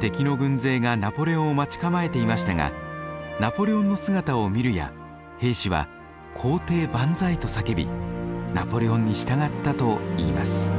敵の軍勢がナポレオンを待ち構えていましたがナポレオンの姿を見るや兵士は皇帝万歳と叫びナポレオンに従ったといいます。